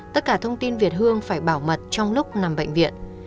tất cả thông tin việt hương phải bảo mật trong lúc nằm bệnh viện